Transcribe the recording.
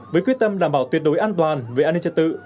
với quyết tâm đảm bảo tuyệt đối an toàn về an ninh trật tự